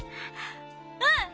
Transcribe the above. うん！